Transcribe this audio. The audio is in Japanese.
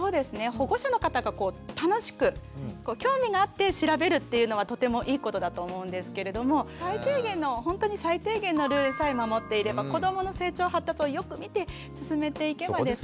保護者の方が楽しく興味があって調べるっていうのはとてもいいことだと思うんですけれども最低限のほんとに最低限のルールさえ守っていれば子どもの成長発達をよく見て進めていけばですね